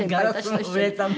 ガラスが震えたの？